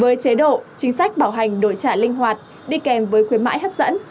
với chế độ chính sách bảo hành đổi trả linh hoạt đi kèm với khuyến mãi hấp dẫn